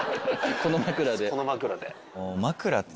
この枕で。